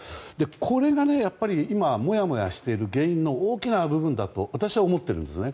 これがやはり今、もやもやしている原因の大きな部分だと私は思っているんですね。